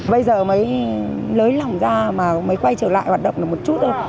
bây giờ mới nới lỏng ra mà mới quay trở lại hoạt động được một chút thôi